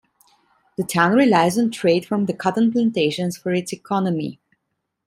The town relies on trade from the cotton plantations for its economy.